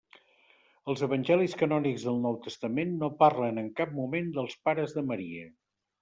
Els evangelis canònics del Nou Testament no parlen en cap moment dels pares de Maria.